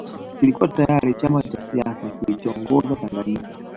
kilikuwa tayari chama cha siasa kinachoongoza Tanganyika